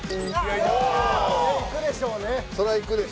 いくでしょうね。